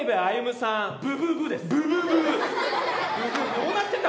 どうなってんだ